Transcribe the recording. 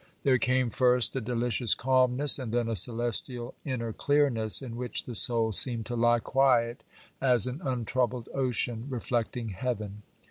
There came first a delicious calmness, and then a celestial inner clearness, in which the soul seemed to lie quiet as an untroubled ocean, reflecting heaven.